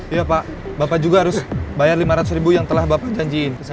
iya pak bapak juga harus bayar lima ratus ribu yang telah bapak janjiin